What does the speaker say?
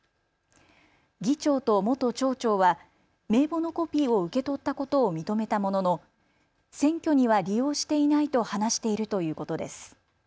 議長と元町長は名簿のコピーを受け取ったことを認めたものの選挙には利用していないと話しているということです。